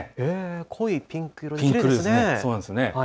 濃いピンク色できれいですね。